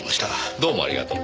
どうもありがとう。